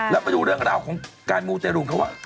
แล้วไปดูเรื่องราวของการมูเตรูนเขาว่า